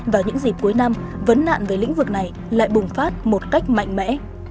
và những dịp cuối năm vấn nạn về lĩnh vực này lại bùng phát một cách mạnh mẽ